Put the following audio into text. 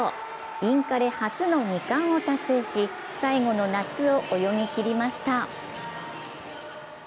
インカレ初の２冠を達成し最後の夏を泳ぎ切りました。